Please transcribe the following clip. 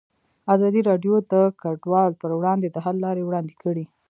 ازادي راډیو د کډوال پر وړاندې د حل لارې وړاندې کړي.